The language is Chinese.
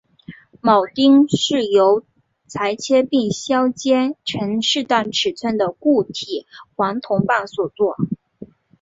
铆钉是由裁切并削尖成适当尺寸的固体黄铜棒所做。